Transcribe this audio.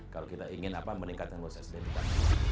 kalau kita ingin meningkatkan proses dedikasi